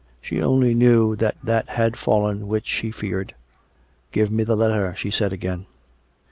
She only knew that that had fallen which she feared. " Give me the letter," she said again.